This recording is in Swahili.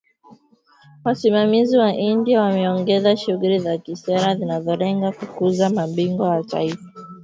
Wasimamizi wa India wameongeza shughuli za kisera zinazolenga kukuza ‘mabingwa wa kitaifa’.